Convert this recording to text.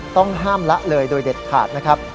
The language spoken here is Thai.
ต้องห้ามละเลยโดยเด็ดขาดนะครับ